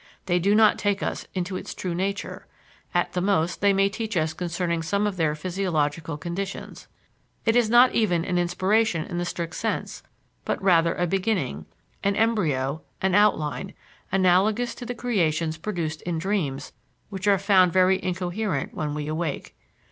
They do not take us into its true nature; at the most they may teach us concerning some of their physiological conditions. It is not even an inspiration in the strict sense, but rather a beginning, an embryo, an outline, analogous to the creations produced in dreams which are found very incoherent when we awake.